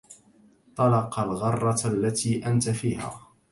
طلق الغرة التي أنت فيها